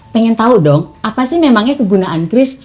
pengen tahu dong apa sih memangnya kegunaan chris